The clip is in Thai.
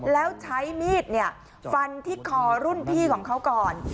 แล้วใช้มีดฟันที่คอรุ่นพี่ของเขาก่อน